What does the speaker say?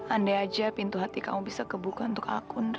andai aja pintu hati kamu bisa kebuka untuk akun